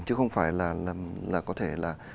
chứ không phải là có thể là